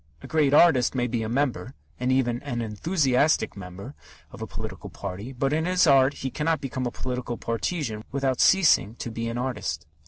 A great artist may be a member and an enthusiastic member of a political party, but in his art he cannot become a political partisan without ceasing to be an artist.